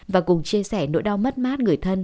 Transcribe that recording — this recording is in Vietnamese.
và cùng chia sẻ nỗi đau mất mát người thân